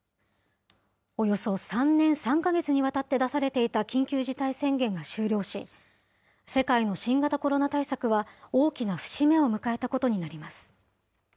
およそ３年３か月にわたって出されていた緊急事態宣言が終了し、世界の新型コロナ対策は大きな節目を迎えたことになります。